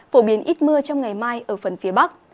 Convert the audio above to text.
phổ biến ít mưa trong ngày mai ở phần phía bắc